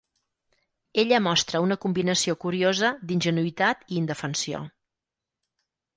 Ella mostra una combinació curiosa d'ingenuïtat i indefensió.